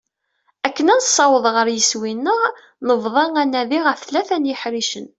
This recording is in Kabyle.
Akken ad nessaweḍ ɣer yiswi-nneɣ nebḍa anadi ɣef tlata yeḥricen.